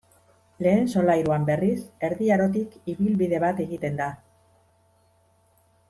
Lehen solairuan berriz Erdi Arotik ibilbide bat egiten da.